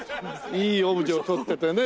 いいオブジェを撮っててねえ。